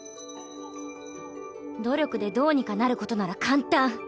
努力でどうにかなることなら簡単。